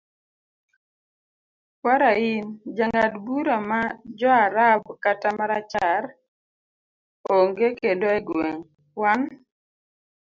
kwara in, jang'ad bura ma joarab kata marachar onge kendo e gweng',wan